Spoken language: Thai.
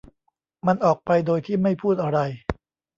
มันออกไปโดยที่ไม่พูดอะไร